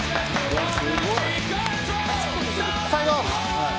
最後！